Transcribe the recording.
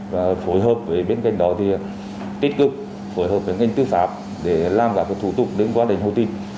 và phối hợp với bên kênh đó thì tích cực phối hợp với bên kênh tư pháp để làm các thủ tục đến quá trình hội tin